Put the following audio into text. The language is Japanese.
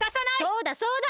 そうだそうだ！